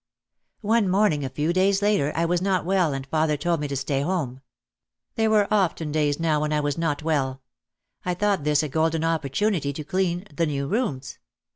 One morning a few days later I was not well and father told me to stay home. (There were often days now when I was not well.) I thought this a golden op portunity to clean "the new rooms."